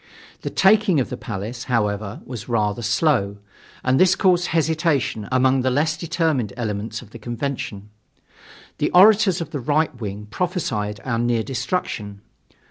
The taking of the Palace, however, was rather slow, and this caused hesitation among the less determined elements of the convention. The orators of the right wing prophesied our near destruction.